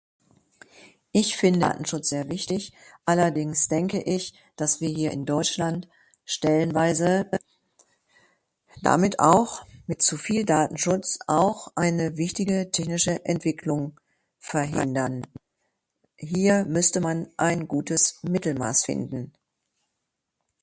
Ich finde Datenschutz sehr wichtig. Allerdings denke ich, dass wir hier in Deutschland stellenweise damit auch, mit zu viel Datenschutz, auch eine wichtige technische Entwicklung verhindern. Hier müsste man ein gutes Mittelmaß finden.